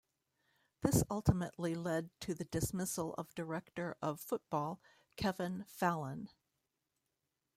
This ultimately led to the dismissal of Director of Football, Kevin Fallon.